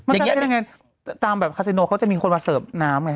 อย่างนี้ยังไงตามแบบคาซิโนเขาจะมีคนมาเสิร์ฟน้ำไง